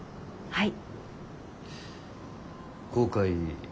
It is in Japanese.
はい。